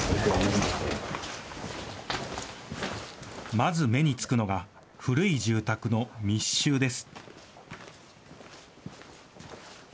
まず目につくのが古い住宅の密集です。